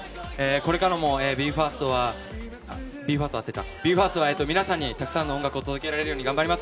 これからもＢＥ：ＦＩＲＳＴは皆さんにたくさんの音楽を届けられるように頑張ります。